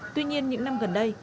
tuy nhiên những năm gần đây